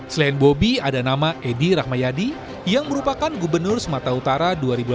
selain bobi ada nama edi rahmayadi yang merupakan gubernur sumatera utara dua ribu delapan belas